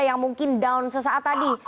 yang mungkin down sesaat tadi